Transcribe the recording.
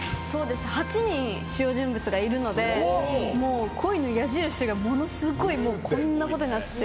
８人主要人物がいるので恋の矢印がものすごいこんなことになって。